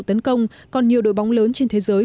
tấn công còn nhiều đội bóng lớn trên thế giới